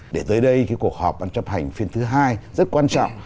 để tới đây cái cuộc họp ban chấp hành phiên thứ hai rất quan trọng